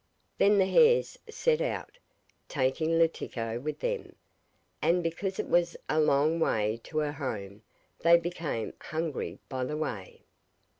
Then the hares set out, taking Letiko with them, and because it was a long way to her home they became hungry by the way.